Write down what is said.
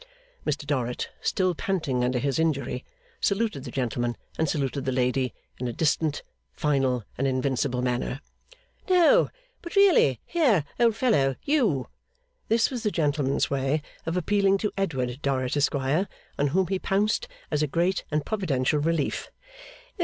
Mr Dorrit, still panting under his injury, saluted the gentleman, and saluted the lady, in a distant, final, and invincible manner. 'No, but really here, old feller; you!' This was the gentleman's way of appealing to Edward Dorrit, Esquire, on whom he pounced as a great and providential relief.